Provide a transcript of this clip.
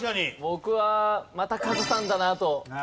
僕はまたカズさんだなと思います。